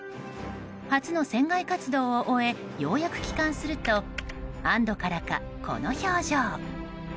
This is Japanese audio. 初の船外活動を終えようやく帰還すると安堵からか、この表情。